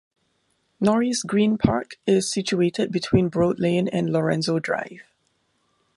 Norris Green Park is situated between Broad Lane and Lorenzo Drive.